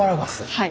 はい。